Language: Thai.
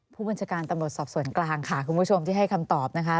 ผู้บัญชาการตำรวจสอบส่วนกลางค่ะคุณผู้ชมที่ให้คำตอบนะคะ